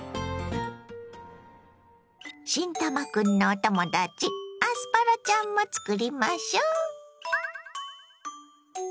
新たまクンのお友だちアスパラちゃんも作りましょ。